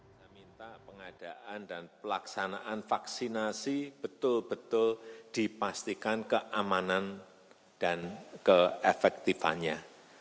saya minta pengadaan dan pelaksanaan vaksinasi betul betul dipastikan keamanan dan keefektifannya